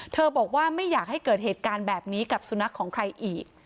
บอกว่าไม่อยากให้เกิดเหตุการณ์แบบนี้กับสุนัขของใครอีก